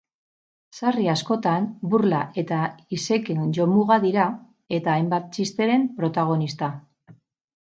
Sarri askotan burla eta iseken jomuga dira, eta hainbat txisteren protagonista.